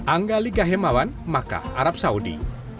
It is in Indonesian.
angga ligahemawan makkah arab saudi